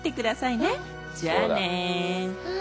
じゃあね。